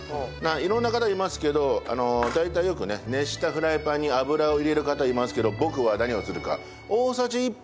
色んな方いますけど大体よくね熱したフライパンに油を入れる方いますけど僕は何をするか。